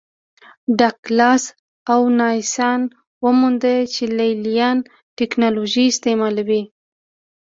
ډاګلاس او وانسینا ومونده چې لې لیان ټکنالوژي استعملوي